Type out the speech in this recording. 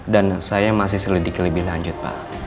dan saya masih selidiki lebih lanjut pak